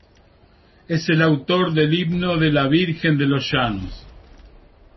Es el autor del himno de la Virgen de Los Llanos.